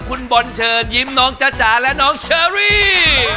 คุณบอลเชิญยิ้มน้องจ๊ะจ๋าและน้องเชอรี่